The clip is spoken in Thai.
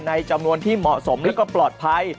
จำนวนที่เหมาะสมแล้วก็ปลอดภัย